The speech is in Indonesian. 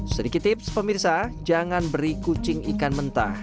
sedikit tips pemirsa jangan beri kucing ikan mentah